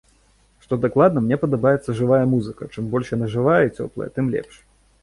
Што дакладна, мне падабаецца жывая музыка, чым больш яна жывая і цёплая, тым лепш.